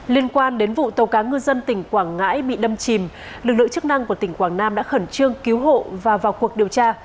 liên quan đến vụ tàu cá ngư dân tỉnh quảng ngãi bị đâm chìm lực lượng chức năng của tỉnh quảng nam đã khẩn trương cứu hộ và vào cuộc điều tra